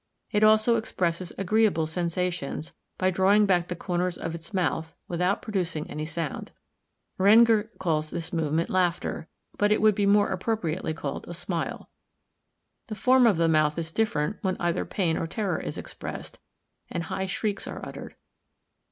It also expresses agreeable sensations, by drawing back the corners of its mouth, without producing any sound. Rengger calls this movement laughter, but it would be more appropriately called a smile. The form of the mouth is different when either pain or terror is expressed, and high shrieks are uttered.